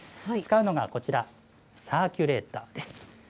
使うのがこちら、サーキュレーターです。